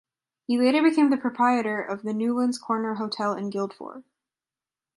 He later became the proprietor of the Newlands Corner Hotel in Guildford.